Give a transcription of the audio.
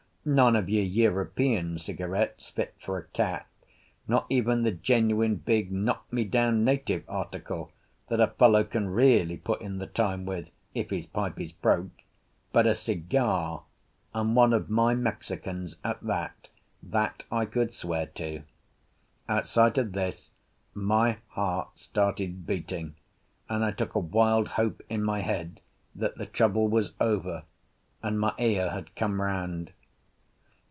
None of your European cigarettes fit for a cat, not even the genuine big, knock me down native article that a fellow can really put in the time with if his pipe is broke—but a cigar, and one of my Mexicans at that, that I could swear to. At sight of this my heart started beating, and I took a wild hope in my head that the trouble was over, and Maea had come round.